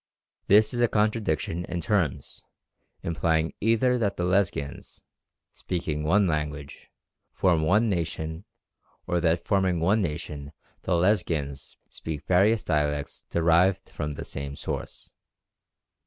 This is a contradiction in terms, implying either that the Lesghians, speaking one language, form one nation, or that forming one nation the Lesghians speak various dialects derived from the same source.